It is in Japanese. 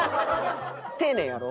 丁寧やろ？